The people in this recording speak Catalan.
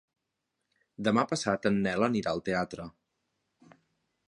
Demà passat en Nel anirà al teatre.